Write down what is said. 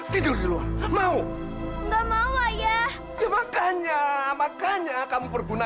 jadi anak dua